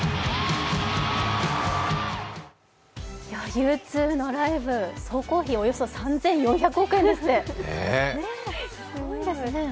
Ｕ２のライブ、総工費およそ３４００億円ですって、すごいですね。